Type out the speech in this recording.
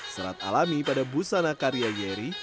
serat alami pada busana karya yeri